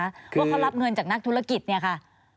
ว่าเขารับเงินจากนักธุรกิจเนี่ยค่ะ